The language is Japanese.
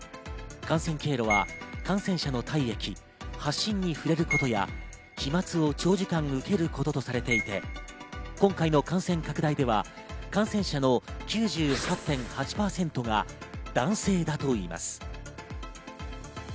感染経路は感染者の体液、発疹に触れることや、飛沫を長時間受けることとされていて、今回の感染拡大では感染者の９８．８％が男性だといいます。